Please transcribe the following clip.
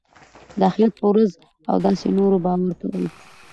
د آخرت په ورځ او داسي نورو باور کول .